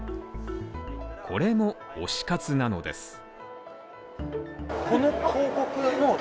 これも推し活なのです。